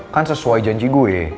kan sesuai janji gue